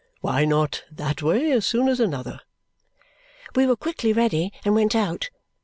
Why not that way as soon as another!" We were quickly ready and went out.